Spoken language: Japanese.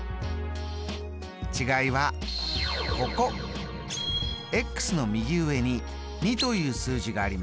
違いはここ！の右上に２という数字があります。